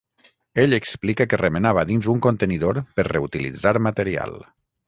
Ell explica que remenava dins un contenidor per reutilitzar material.